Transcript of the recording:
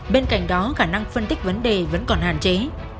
bên cạnh đó khả năng phân tích vấn đề vẫn còn hạn chế